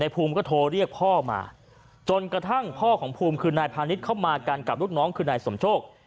ภูมิก็โทรเรียกพ่อมาจนกระทั่งพ่อของภูมิคือนายพาณิชย์เข้ามากันกับลูกน้องคือนายสมโชค